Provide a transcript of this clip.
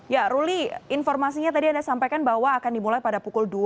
ya ruli informasinya tadi anda sampaikan bahwa akan dimulai pada pukul dua